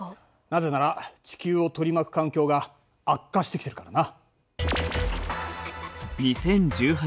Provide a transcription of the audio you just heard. なぜなら地球を取り巻く環境が悪化してきているからな。